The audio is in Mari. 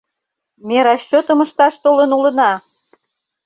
— Ме расчётым ышташ толын улына!